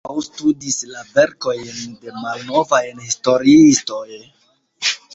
Li ankaŭ studis la verkojn de malnovaj historiistoj.